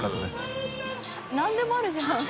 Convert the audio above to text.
何でもあるじゃん。